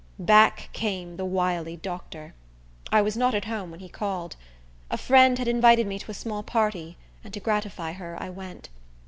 Back came the wily doctor. I was not at home when he called. A friend had invited me to a small party, and to gratify her I went.